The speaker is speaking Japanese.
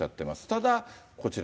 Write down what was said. ただ、こちら。